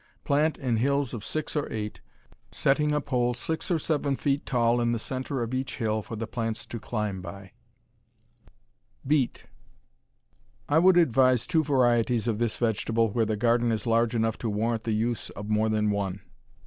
Plant in hills of six or eight, setting a pole six or seven feet tall in the center of each hill for the plants to climb by. Beet I would advise two varieties of this vegetable where the garden is large enough to warrant the use of more than one.